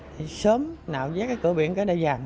thì sớm nạo giác cái cửa biển cái đây dàn